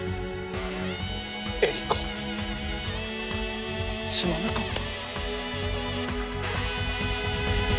英理子すまなかった。